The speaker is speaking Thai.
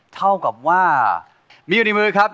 เท่ากับว่ามีอยู่ในมือครับ